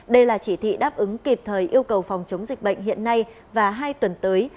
đây là chỉ thị đáp ứng kịp thời yêu cầu phòng chống dịch bệnh hiện nay và hai tuần tới